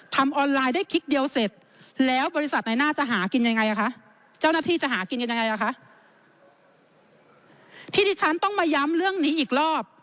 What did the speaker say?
ที่ที่ฉันต้องมาย้ำเรื่องนี้อีกรอบ